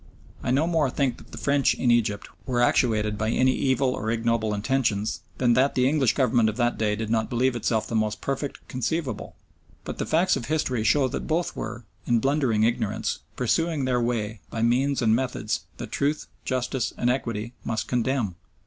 I no more think that the French in Egypt were actuated by any evil or ignoble intentions than that the English Government of that day did not believe itself the most perfect conceivable, but the facts of history show that both were, in blundering ignorance, pursuing their way by means and methods that truth, justice, and equity must condemn.